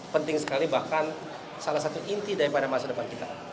penting sekali bahkan salah satu inti daripada masa depan kita